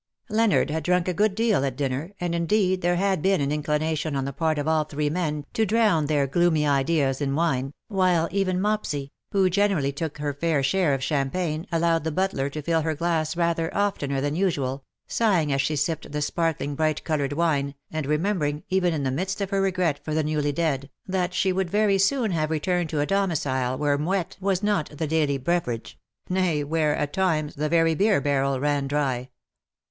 32 "yours on MONDAY, GOD's TO DAY." Leonard had drunk a good deal at dinner ; and indeed there had been an inclination on the part of all three men to drown their gloomy ideas in wine, while even Mopsy, who generally took her fair share of champagne, allowed the butler to fill her glass rather oftener than usual — sighing as she sipped the sparkling bright coloured wine, and remembering, even in the midst of her regret for the newly dead, that she would very soon have returned to a domicile where Moet was not the daily beverage, nay, where, at times, the very beer barrel ran dry.